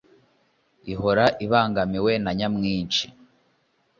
ihora ibangamiwe na nyamwinshi,